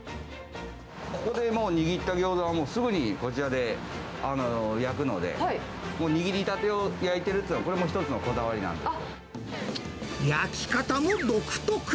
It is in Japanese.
ここでもう握ったギョーザは、もうすぐにこちらで焼くので、もう握りたてを焼いてるっていうのも、これも一つのこだわりなん焼き方も独特。